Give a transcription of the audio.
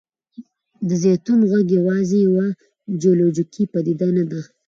د زیتون غر یوازې یوه جیولوجیکي پدیده نه ده.